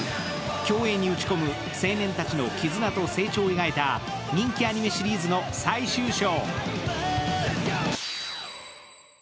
競泳日本打ち込む青年たちの絆と成長を描いた人気アニメシリーズの最終章。